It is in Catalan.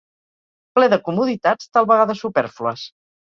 Ple de comoditats tal vegada supèrflues.